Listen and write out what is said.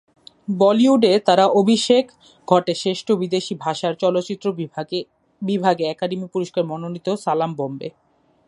বলিউডে তার অভিষেক ঘটে শ্রেষ্ঠ বিদেশি ভাষার চলচ্চিত্র বিভাগে একাডেমি পুরস্কার মনোনীত "সালাম বম্বে!"